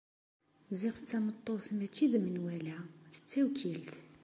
Ziɣ tameṭṭut mačči d menwala, d tawkilt.